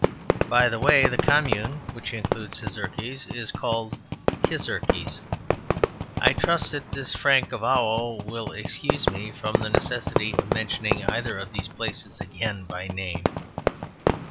By the way, the Commune which includes Szekeres is called Kissekeres; I trust that this frank avowal will excuse me from the necessity of mentioning either of these places again by name.